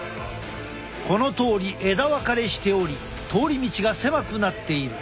このとおり枝分かれしており通り道が狭くなっている。